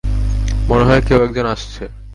মনে হয়, কেউ একজন আসছে!